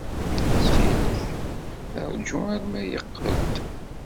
Ttxil-k, ṛju arma yeqqel-d.